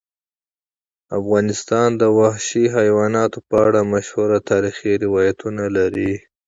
افغانستان د وحشي حیواناتو په اړه مشهور تاریخی روایتونه لري.